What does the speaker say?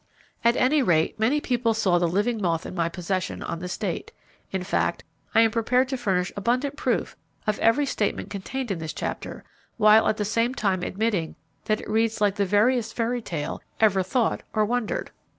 At any rate, many people saw the living moth in my possession on this date. In fact, I am prepared to furnish abundant proof of every statement contained in this chapter; while at the same time admitting that it reads like the veriest fairy tale 'ever thought or wondered.'